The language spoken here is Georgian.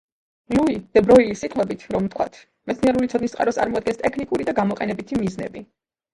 ლუი დე ბროილის სიტყვებით რომ ვთქვათ: „მეცნიერული ცოდნის წყაროს წარმოადგენს ტექნიკური და გამოყენებითი მიზნები“.